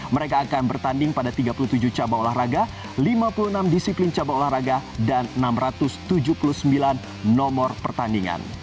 mereka akan bertanding pada tiga puluh tujuh cabang olahraga lima puluh enam disiplin cabang olahraga dan enam ratus tujuh puluh sembilan nomor pertandingan